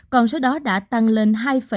còn số đó đã tăng lên hai năm